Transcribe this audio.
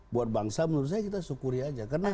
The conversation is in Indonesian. buat bangsa menurut saya kita syukuri aja